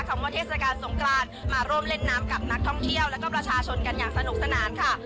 คำว่าเทศกาลสงกรานมาร่วมเล่นน้ำกับนักท่องเที่ยวแล้วก็ประชาชนกันอย่างสนุกสนานค่ะ